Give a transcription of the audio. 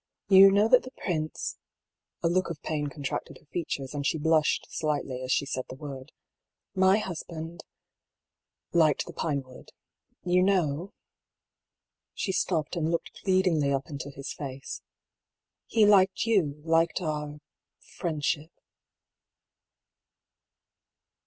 You know that the prince "— (a look of pain contracted her features, and she blushed slightly as she said the word) —" my husband — ^liked the Pinewood. You know "— (she stopped and looked pleadingly up into his face) —" he liked you, liked our — friendship."